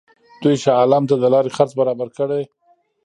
دوی شاه عالم ته د لارې خرڅ برابر کړي.